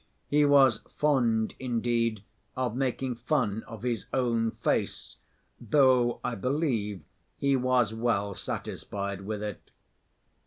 He was fond indeed of making fun of his own face, though, I believe, he was well satisfied with it.